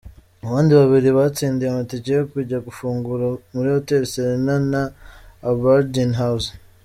Abandi babiri batsindiye amatike yo kujya gufungura muri Hotel Serena na Aberdeen House.